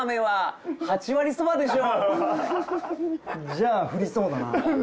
じゃあ降りそうだな。